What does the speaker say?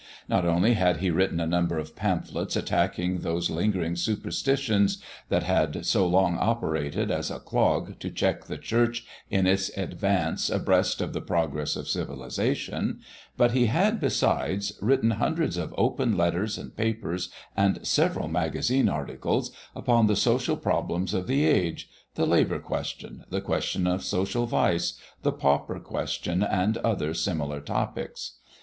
Not only had he written a number of pamphlets attacking those lingering superstitions that had so long operated as a clog to check the church in its advance abreast of the progress of civilization, but he had, besides, written hundreds of open letters and papers and several magazine articles upon the social problems of the age the labor question, the question of social vice, the pauper question, and other similar topics.